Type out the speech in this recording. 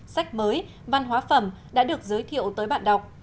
sách mới văn hóa phẩm đã được giới thiệu tới bạn đọc